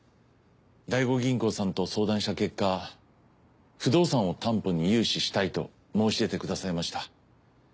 第五銀行さんと相談した結果不動産を担保に融資したいと申し出てくださいました。